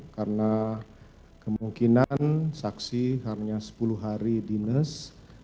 karena kemungkinan saksi hanya sepuluh hari dinas